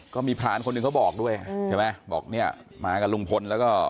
ก็มีภารณ์คนหนึ่งเขาบอกด้วยอืมใช่ไหมบอกเนี่ยมากับลุงผลแล้วก็